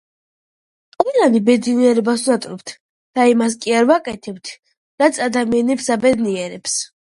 ყველანი ბედნიერებას ვნატრობთ და იმას კი არ ვაკეთებთ, რაც ადამიანს აბედნიერებს